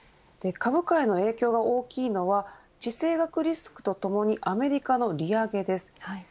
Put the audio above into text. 株価への影響が大きいのは地政学リスクとともにアメリカの利上げです。